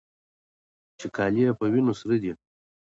چې کالي يې په وينو سره دي.